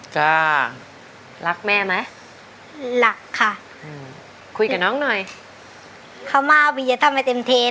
สู้เลยบอกพี่